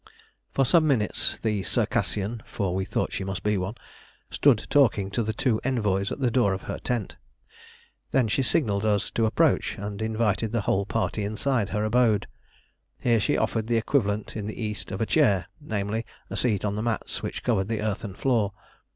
For some minutes the Circassian (for we thought she must be one) stood talking to the two envoys at the door of her tent. Then she signalled us to approach, and invited the whole party inside her abode. Here she offered the equivalent in the East of a chair namely, a seat on the mats which covered the earthen floor.